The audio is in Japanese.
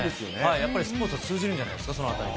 やっぱりスポーツは通じるんじゃないんですか、そのあたり。